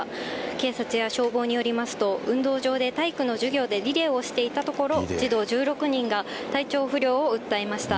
警察や消防によりますと、運動場で体育の授業でリレーをしていたところ、児童１６人が体調不良を訴えました。